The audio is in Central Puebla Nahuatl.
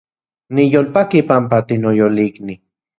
Niyolpaki panpa tinoyolikni